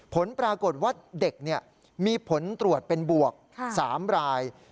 ผลปรากฏว่าเด็กมีผลตรวจเป็นบวก๓ราย